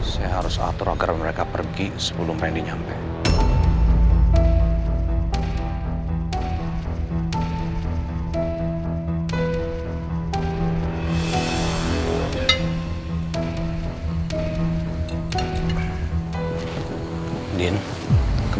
saya harus atur agar mereka pergi sebelum randy nyampe